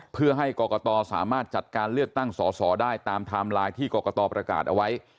เพื่อให้กรกตสามารถจัดการเลือกตั้งสอสอได้ตามไทม์ไลน์ที่กรกตประกาศเอาไว้